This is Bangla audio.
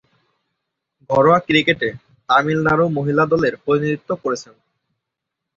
ঘরোয়া ক্রিকেটে তামিলনাড়ু মহিলা দলের প্রতিনিধিত্ব করছেন।